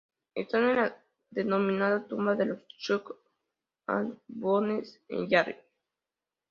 Está en la denominada Tumba de los Skull and Bones, en Yale.